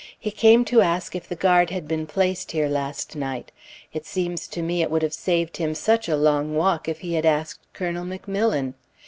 He came to ask if the guard had been placed here last night. It seems to me it would have saved him such a long walk if he had asked Colonel McMillan.